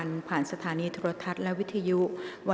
กรรมการท่านที่สามได้แก่กรรมการใหม่เลขหนึ่งค่ะ